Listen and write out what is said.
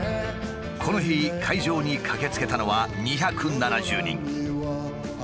この日会場に駆けつけたのは２７０人。